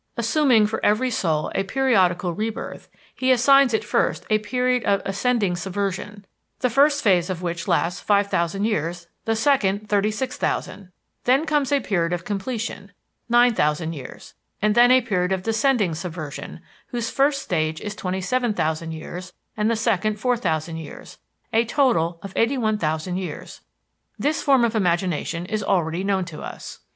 Assuming for every soul a periodical rebirth, he assigns it first a period of "ascending subversion," the first phase of which lasts five thousand years, the second thirty six thousand; then comes a period of completion, 9,000 years; and then a period of "descending subversion," whose first stage is 27,000 years, and the second 4,000 years a total of 81,000 years. This form of imagination is already known to us.